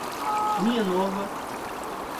Linha Nova